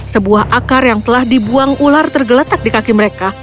sebuah akar yang telah dibuang ular tergeletak di kaki mereka